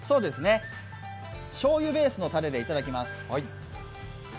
しょうゆベースのたれでいただきます。